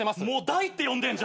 台って呼んでんじゃん。